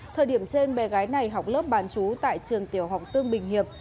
thời điểm trên bé gái này học lớp bán chú tại trường tiểu học tương bình hiệp